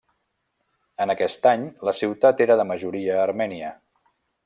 En aquest any la ciutat era de majoria armènia.